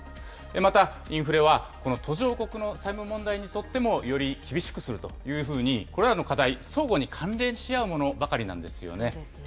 また、インフレは、この途上国の債務問題にとっても、より厳しくするというふうに、これらの課題、相互に関連し合うものばかりなんですよね。